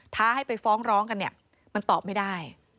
ท้าให้ไปฟ้องร้องกันเนี่ยมันตอบไม่ได้